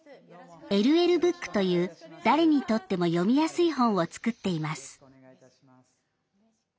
ＬＬブックという誰にとっても読みやすい本を作っています。